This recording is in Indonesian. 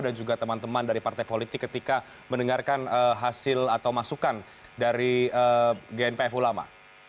dan juga teman teman dari partai politik ketika mendengarkan hasil atau masukan dari gnpf ulama